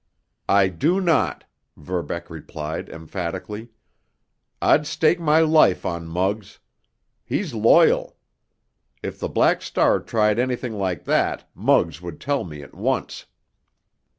"I do not!" Verbeck replied emphatically. "I'd stake my life on Muggs. He's loyal! If the Black Star tried anything like that Muggs would tell me at once."